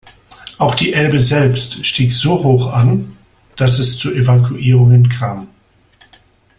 Auch die Elbe selbst stieg so hoch an, dass es zu Evakuierungen kam.